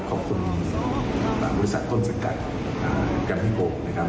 ขอบคุณบางบริษัทคนสังกัดกับพี่โบ๊คนะครับ